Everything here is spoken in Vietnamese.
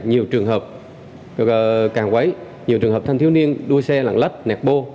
nhiều trường hợp càng quấy nhiều trường hợp than thiếu niên đuôi xe lặng lắt nẹt bô